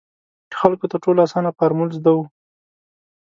خلکو تر ټولو اسانه فارمول زده وو.